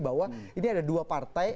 bahwa ini ada dua partai